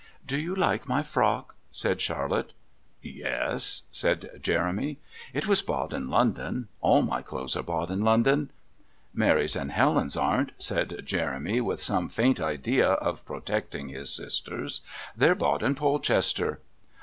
"Do you like my frock?" said Charlotte. "Yes," said Jeremy. "It was bought in London. All my clothes are bought in London." "Mary's and Helen's aren't," said Jeremy with some faint idea of protecting his sisters. "They're bought in Polchester."